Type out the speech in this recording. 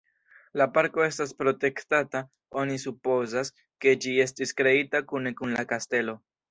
La parko estas protektata, oni supozas, ke ĝi estis kreita kune kun la kastelo.